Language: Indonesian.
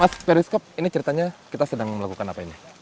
mas periskop ini ceritanya kita sedang melakukan apa ini